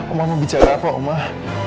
omah mau bicara kok omah